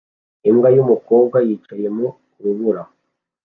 imbwa yumukobwa yicaye mu rubura